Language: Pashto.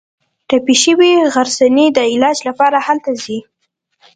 ټپي شوې غرڅنۍ د علاج لپاره هلته ځي.